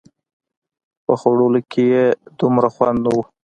په خوړلو کښې يې دومره خوند نه و.